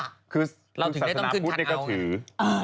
คือเราถึงได้ต้องขึ้นคันเอา